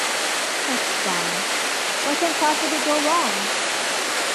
It's fine. What can possibly go wrong?